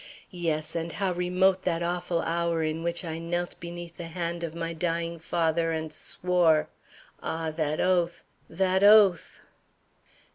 Yes, and how remote that awful hour in which I knelt beneath the hand of my dying father and swore Ah, that oath! That oath!